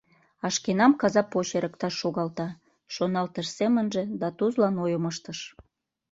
А шкенам каза поч эрыкташ шогалта», — шоналтыш семынже да Тузлан ойым ыштыш: